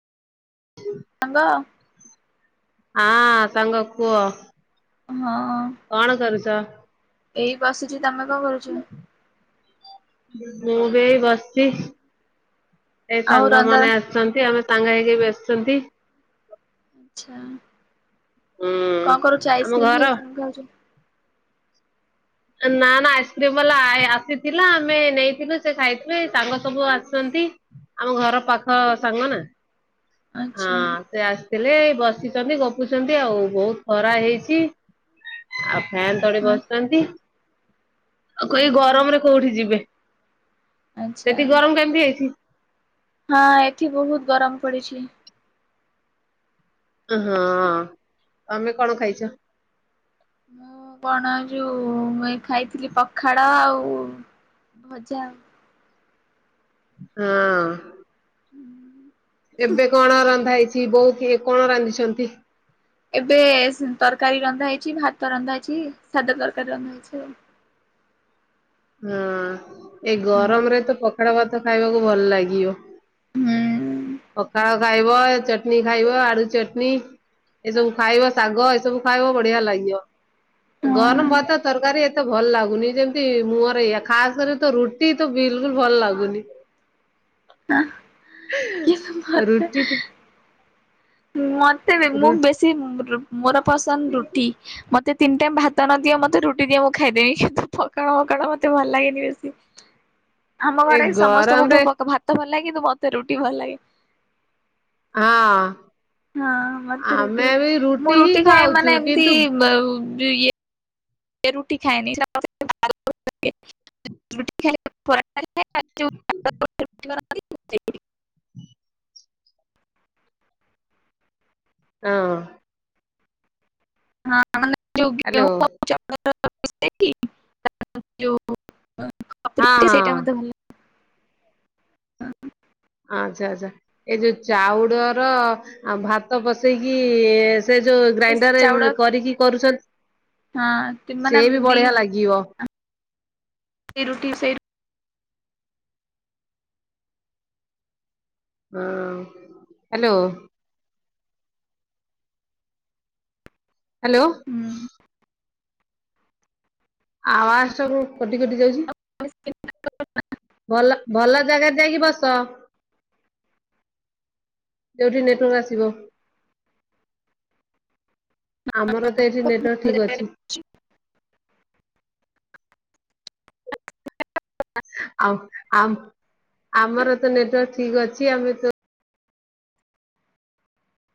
ସାଙ୍ଗ। ଆ ସାଙ୍ଗ କୁହ। ହଁ। କଣ କରୁଛ? ଏଇ ବସିଛି ତମେ କଣ କରୁଛ? ମୁଁ ବି ଏଇ ବସିଛି। ଏଇ ଆଉ ରନ୍ଧା ସାଙ୍ଗମାନେ ଆସିଛନ୍ତି ଆମେ ସାଙ୍ଗ ହେଇକି ବେସଛନ୍ତି। ଆଛା କଣ କରୁଛ ହୁଁ ଆମ ଆଇସ୍କ୍ରିମ ଘର [unintelligible] ନା ନା ଆଇସ୍କ୍ରିମ ବାଲା ଆସିଥିଲା ଆମେ ନେଇଥିଲୁ ସେ ଖାଇଥିଲେ ସାଙ୍ଗ ସବୁ ଆସଛନ୍ତି। ଆମ ଘର ପାଖ ସାଙ୍ଗ ନା ହଁ ଆଛା ସେ ଆସି ଥିଲେ ବସିଛନ୍ତି ଗପୁଛନ୍ତି ଆଉ ବହୁତ ଖରା ହେଇଛି। ଆଉ ଫ୍ୟାନ ତଲେ ହଁ ବସିଛନ୍ତି। ଆଉ କହି ହଁ ଗରମରେ କୋଉଠି ଯିବେ ଆଛା ସେଠି ଗରମ କେମିତି ହେଇଛି? ହଁ ଏଠି ବହୁତ ଗରମ ପଡିଛି। ହଁ ତମେ କଣ ଖାଇଛ? ମୁଁ କଣ ଯୋଉ, ଖାଇଥିଲି ପଖାଳ ଆଉ ଭଜା। ହଁ। [inaudible] ଏବେ କଣ ରନ୍ଧା ହେଇଛି, ବହୁ ଇ କଣ ରାନ୍ଧିଛନ୍ତି? ଏବେ ତରକାରୀ ରନ୍ଧା ହେଇଛି, ଭାତ ରନ୍ଧାହେଇଛି, ସାଧ ତରକାରୀ ରନ୍ଧାହେଇଛି, ଆଉ। ହଁ ଏଇ ଗରମରେ ହୁଁ ତ ପଖାଳ ଭାତ ଖାଇବାକୁ ଭଲ ଲାଗିବ। ହୁଁ। ପଖାଳ ଖାଇବ, ଚଟଣି ଖାଇବ, ଆଳୁଚଟଣି। ଏସବୁ ଖାଇବ ଶାଗ ଏସବୁ ଖାଇବ ବଢିଆ ଲାଗିବ। ହୁଁ ଗରମ ଭାତ ତରକାରୀ ଏତେ ଭଲ ଲାଗୁନି ଯେମିତି ମୁଁହରେ ଏଇଆ ଖାସ କରି ତ ରୁଟି ତ ବିଲକୁଲ ଭଲ ଲାଗୁନି। ହଁ କିଏ [unintelligible] ମତେ ରୁଟି ତ ମତେ ବି ମୁଁ ରୁ ବେଶୀ ରୁ ମୋର ପସନ୍ଦ ରୁଟି ମତେ ତିନି ଟାଇମ୍ ଭାତ ତ ନଦିଅ ମୋତେ ରୁଟି ଦିଅ ମୁଁ ଖାଇଦେବି [unintelligible] କାରଣ କାରଣ ମତେ ଭଲ ଲାଗେନି ବେଶୀ ଆମ ଏ ଘରେ ସମସ୍ତଙ୍କୁ ଗରମରେ ଭଭ ଭାତ ଭଲ ଲାଗେ କିନ୍ତୁ ମତେ ରୁଟି ଭଲ ଲାଗେ। ହଁ। ହଁ ମତେ ରୁଟି ଆମେ ଭଲ ବି ଲାଗେ ମୁଁ ହିଁ ରୁଟି ଖାଏ ଖାଉଛୁ ମାନେ କିନ୍ତୁ ଏମିତି ଏ ରୁଟି ଖାଏନି [inaudible] ରୁଟି ଖାଏ। ପରଟା ଖାଏ। ହଁ। ହଁ ମାନେ [inaudible] ହ୍ୟାଲୋ ଯୋଉ ହଁ [inaudible] ସେଇଟା ହଁ। ମତେ ଭଲ ଆଚ୍ଛା ଆଚ୍ଛା ଏ ଯୋଉ ଚାଉଳର ଭାତ ପସେଇକି ସେ ଯୋଉ ଗ୍ରାଇଣ୍ଡରରେ ଚାଉଳ କରିକି କରୁଛନ୍ତି, ହଁ ମାନେ ସେ ବି ଦି ବଢିଆ ଲାଗିବ। ରୁଟି ସେଇ ହଁ, ହ୍ୟାଲୋ? ହ୍ୟାଲୋ? ହୁଁ। ଆବାଜ ସବୁ କଟି କଟି ଯାଉଛି ଭଲ ଭଲ ଜାଗାରେ ଯାଇକି ବସ, ଯୋଉଠି ନେଟୱାର୍କ ଆସିବ। [inaudible] ଆମର ତ ଏଠି ନେଟୱାର୍କ ଠିକ୍ ଅଛି। [inaudible] ଆଉ ଆମ୍ ଆମର ତ ନେଟୱାର୍କ ଠିକ ଅଛି ଆମେ ତ